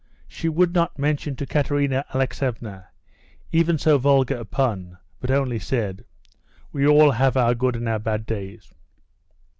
She would not mention to Katerina Alexeevna even, so vulgar a pun, but only said, "We all have our good and our bad days."